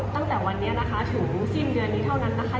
ตั้งแต่วันนี้นะคะถึงสิ้นเดือนนี้เท่านั้นนะคะ